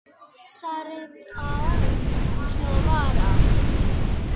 სარეწაო მნიშვნელობა არა აქვთ.